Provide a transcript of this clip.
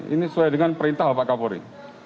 ini sesuai dengan perintah pak kapuri